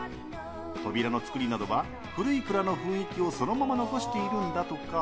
扉の作りなどは古い蔵の雰囲気をそのまま残しているんだとか。